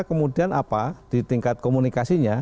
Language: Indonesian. kemudian apa di tingkat komunikasinya